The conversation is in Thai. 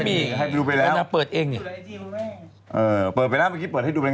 มันถามว่าม้าจะใส่ประหลักขีก